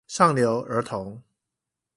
上流兒童